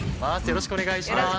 よろしくお願いします。